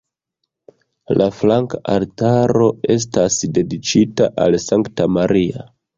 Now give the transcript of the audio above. La flanka altaro estas dediĉita al Sankta Maria.